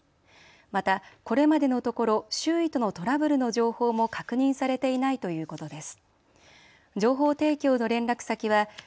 またこれまでのところ周囲とのトラブルの情報も確認されていないということです。